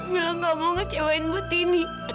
bilang gak mau ngecewain butini